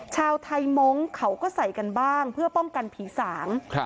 ชาวไทยมงค์เขาก็ใส่กันบ้างเพื่อป้องกันผีสาง